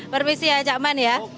permisi ya cak man ya